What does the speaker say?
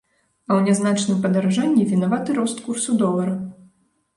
А ў нязначным падаражанні вінаваты рост курсу долара.